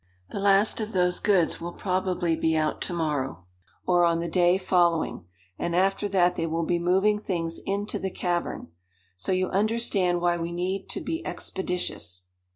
The last of those goods will probably be out to morrow, or on the day following, and after that they will be moving things into the cavern. So you understand why we need to be expeditious."